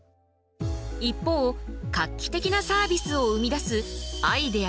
一方画期的なサービスを生み出すアイデア